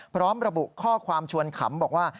พร้อมระบุข้อความชวนขำบอกว่า